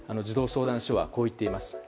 児童相談所はこう言っています。